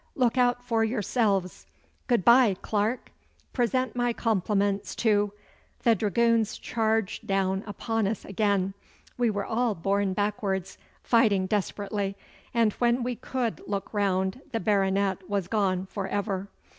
Look out for yourselves. Goodbye, Clarke! Present my compliments to ' The dragoons charged down upon us again. We were all borne backwards, fighting desperately, and when we could look round the Baronet was gone for ever.